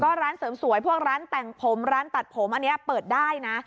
ร้านเสริมสวยพวกร้านแต่งผมร้านตัดผมอันนี้เปิดได้นะ